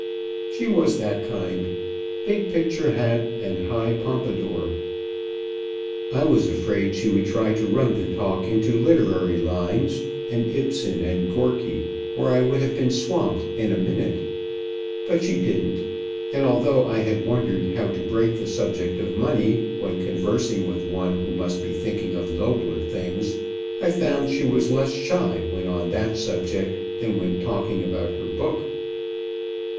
She was that kind big picture hat and high pompadour. I was afraid she would try to run the talk into literary lines and Ibsen and Gorky, where I would have been swamped in a minute, but she didn't; and, although I had wondered how to break the subject of money when conversing with one who must be thinking of nobler things, I found she was less shy when on that subject than when talking about her book.